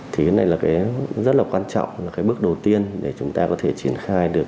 thì cái này là cái rất là quan trọng là cái bước đầu tiên để chúng ta có thể triển khai được